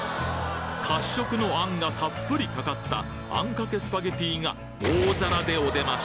褐色の餡がたっぷりかかったあんかけスパゲティが大皿でお出まし